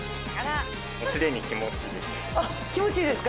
もうすでに気持ちいいです